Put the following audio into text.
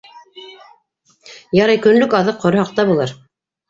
- Ярай, көнлөк аҙыҡ ҡорһаҡта булыр.